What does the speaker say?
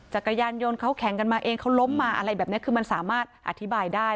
จักรยานยนต์เขาแข่งกันมาเองเขาล้มมาอะไรแบบนี้คือมันสามารถอธิบายได้